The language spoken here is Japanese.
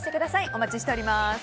お待ちしております。